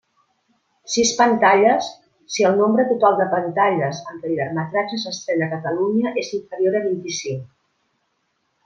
Sis pantalles, si el nombre total de pantalles en què el llargmetratge s'estrena a Catalunya és inferior a vint-i-cinc.